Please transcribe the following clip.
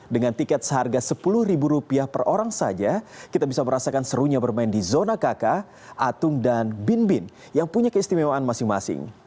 dengan tiket seharga sepuluh ribu rupiah per orang saja kita bisa merasakan serunya bermain di zona kk atung dan bin bin yang punya keistimewaan masing masing